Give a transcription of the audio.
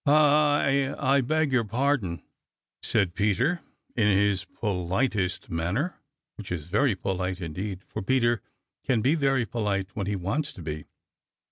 "I I beg your pardon," said Peter in his politest manner, which is very polite indeed, for Peter can be very polite when he wants to be.